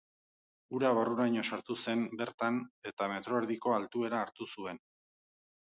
Ura barruraino sartu zen bertan eta metro erdiko altuera hartu zuen.